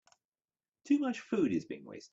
Too much food is being wasted.